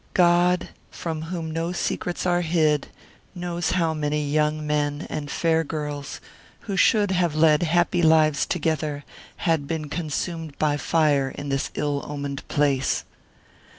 God, from whom no secrets are hid, knows how many young men and fair girls, who should have led happy lives together, had been consumed by fire in this ill omened place.